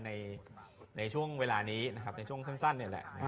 ในช่วงเวลานี้ในช่วงสั้นนี่แหละ